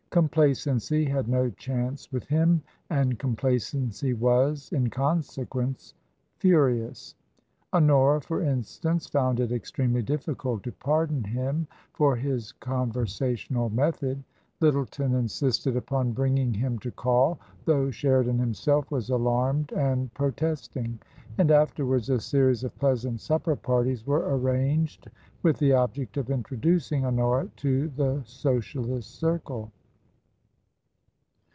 Complacency had no chance with him, and complacency was, in consequence, furious. Honora, for instance, found it extremely difficult to pardon him for his conversational method. Lyttleton TRANSITION. 167 insisted upon bringing him to call, though Sheridan him self was alarmed and protesting ; and afterwards a series of pleasant supper parties were arranged with the object of introducing Honora to the Socialist circle.